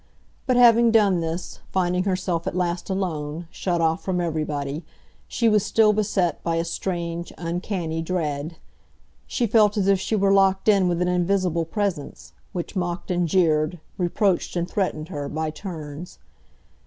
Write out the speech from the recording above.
But, having done this, finding herself at last alone, shut off from everybody, she was still beset by a strange, uncanny dread. She felt as if she were locked in with an invisible presence, which mocked and jeered, reproached and threatened her, by turns.